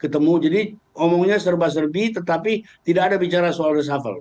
ketemu jadi omongnya serba serbi tetapi tidak ada bicara soal reshuffle